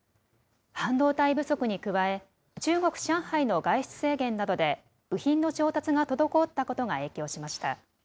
半導体不足に加え、中国・上海の外出制限などで、部品の調達が滞ったことが影響しました。